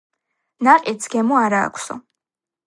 ნაყიდს გემო არა აქვსო